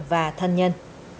và thân nhân